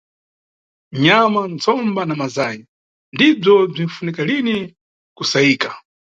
Nyama, ntsomba na mazay ndibzo bzinifunika lini ku sayika.